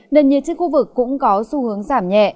nền nhiệt trên khu vực cũng có xu hướng giảm nhẹ